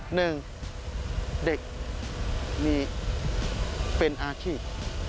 หนึ่งเด็กมีเป็นอาชีพ